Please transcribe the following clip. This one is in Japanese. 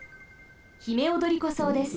ヒメオドリコソウです。